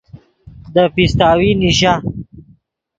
دے پیستاوی نیشا